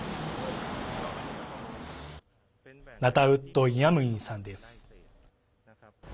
ナタウット・イアムインさんです。